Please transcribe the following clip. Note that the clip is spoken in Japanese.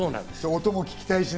音も聞きたいしね。